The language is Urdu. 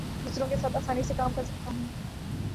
دوسروں کے ساتھ آسانی سے کام کر سکتا ہوں